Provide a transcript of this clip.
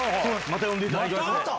また呼んでいただきまして。